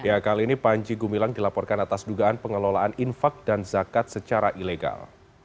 ya kali ini panji gumilang dilaporkan atas dugaan pengelolaan infak dan zakat secara ilegal